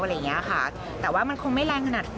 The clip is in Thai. อะไรอย่างนี้ค่ะแต่ว่ามันคงไม่แรงขนาดนั้น